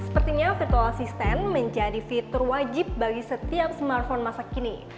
sepertinya virtual assistant menjadi fitur wajib bagi setiap smartphone masa kini